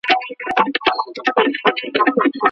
د هر يوه د واک خاوندان او اسباب جلا دي.